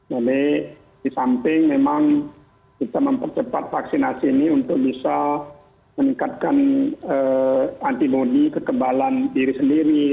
jadi di samping memang kita mempercepat vaksinasi ini untuk bisa meningkatkan antibody kekebalan diri sendiri